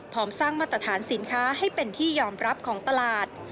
สร้างมาตรฐานสินค้าให้เป็นที่ยอมรับของตลาด